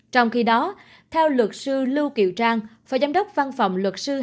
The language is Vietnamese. trong khi đó theo luật sư lưu kiệu trang phở giám đốc văn phòng luật sư cường